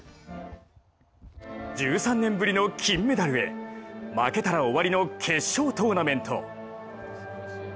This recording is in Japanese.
１３年ぶりの金メダルへ負けたら終わりの決勝トーナメント。